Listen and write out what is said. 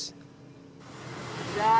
tidak ada penurunan